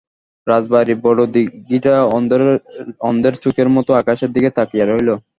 রাজবাড়ির বড়ো দিঘিটা অন্ধের চোখের মতো আকাশের দিকে তাকিয়ে রইল।